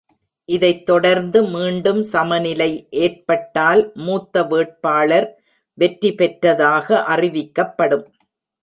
இதை தொடர்ந்து மீண்டும் சமநிலை ஏற்பட்டால் மூத்த வேட்பாளர் வெற்றிபெற்றதாக அறிவிக்கப்படும்.